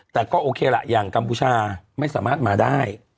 แต่ก็โอเคล่ะอย่างกัมพูชาไม่สามารถมาได้